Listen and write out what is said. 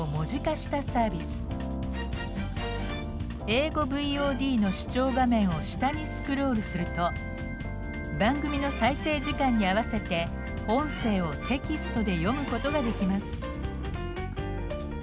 英語ＶＯＤの視聴画面を下にスクロールすると番組の再生時間に合わせて音声をテキストで読むことができます。